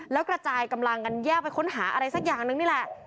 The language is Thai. แล้วกระจายกำลังกันแยกไปค้นหาอะไรสักอย่างนึงนี่แหละ